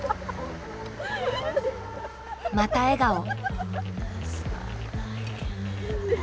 また笑顔。